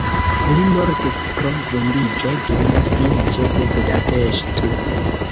Li mortis pro vundiĝo dum sieĝo de Budapeŝto.